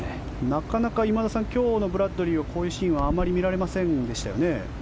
なかなか今日のブラッドリーはこういうシーンはあまり見られませんでしたよね。